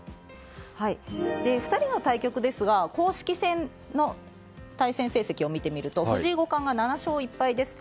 ２人の対極ですが公式戦の対戦成績を見てみると藤井五冠が７勝１敗です。